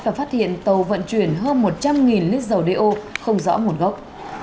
và phát hiện tàu vận chuyển hơn một trăm linh lít dầu đeo không rõ nguồn gốc